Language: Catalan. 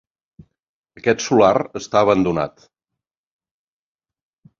Aquest solar està abandonat.